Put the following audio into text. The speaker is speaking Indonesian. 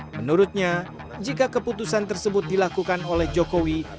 menurutnya jika keputusan tersebut dilakukan oleh jokowi